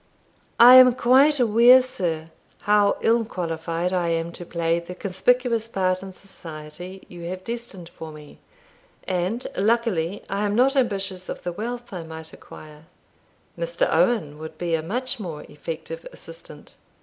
"I am quite aware, sir, how ill qualified I am to play the conspicuous part in society you have destined for me; and, luckily, I am not ambitious of the wealth I might acquire. Mr. Owen would be a much more effective assistant."